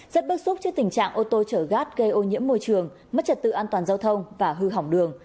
rất bức xúc trước tình trạng ô tô chở gát gây ô nhiễm môi trường mất trật tự an toàn giao thông và hư hỏng đường